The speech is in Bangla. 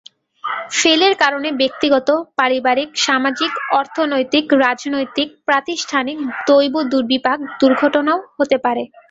ফেলের কারণ ব্যক্তিগত, পারিবারিক, সামাজিক, অর্থনৈতিক, রাজনৈতিক, প্রাতিষ্ঠানিক, দৈব-দুর্বিপাক, দুর্ঘটনাও হতে পারে।